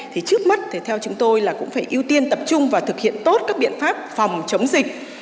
thì trước mắt thì theo chúng tôi là cũng phải ưu tiên tập trung và thực hiện tốt các biện pháp phòng chống dịch